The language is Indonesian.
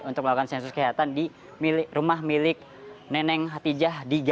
untuk melakukan sensus kehatan di rumah milik neneng